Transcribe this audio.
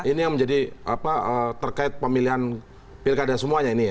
ini yang menjadi terkait pemilihan pilkada semuanya ini ya